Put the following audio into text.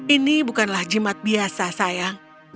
ini bukanlah jimat biasa sayang